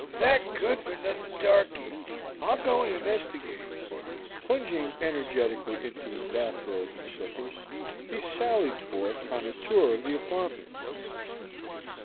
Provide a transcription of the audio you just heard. "That good for nothing darky! I'll go and investigate." Plunging energetically into his bath robe and slippers, he sallied forth on a tour of the apartment.